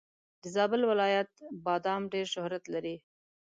د زابل ولایت بادم ډېر شهرت لري.